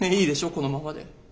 このままで。